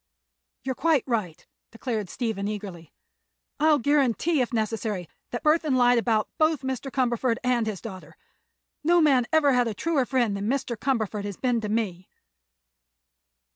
"You are quite right," declared Stephen, eagerly. "I'll guarantee, if necessary, that Burthon lied about both Mr. Cumberford and his daughter. No man ever had a truer friend than Mr. Cumberford has been to me."